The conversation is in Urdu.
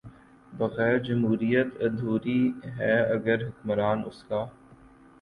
بغیر جمہوریت ادھوری ہے اگر حکمران اس کا